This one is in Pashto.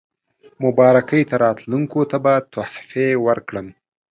مبارکۍ ته راتلونکو ته به تحفې ورکړم.